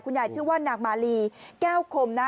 ยายชื่อว่านางมาลีแก้วคมนะ